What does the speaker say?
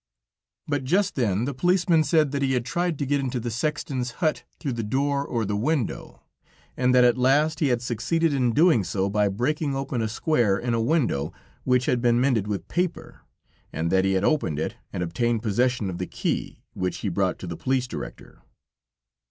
But just then the policeman said that he had tried to get into the sexton's hut through the door or the window, and that at last he had succeeded in doing so by breaking open a square in a window, which had been mended with paper, and that he had opened it and obtained possession of the key, which he brought to the police director.